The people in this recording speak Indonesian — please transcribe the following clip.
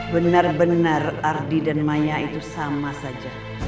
benar benar ardi dan maya itu sama saja